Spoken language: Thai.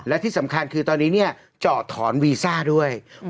และที่สำคัญคือตอนนี้เนี่ยเจาะถอนวีซ่าด้วย